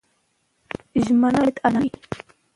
ژمنه باید عادلانه وي.